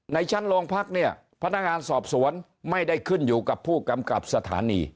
ในชั้นโรงพักเนี่ยพนักงานสอบสวนไม่ได้ขึ้นอยู่กับผู้กำกับสถานี